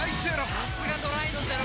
さすがドライのゼロ！